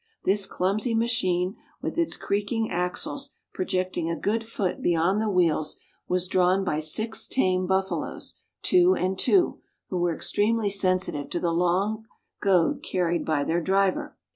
This clumsy machine, with its creaking axles projecting a good foot beyond the wheels, was drawn by six tame buffaloes, two and two, who were extremely sensitive to the long goad carried by their driver.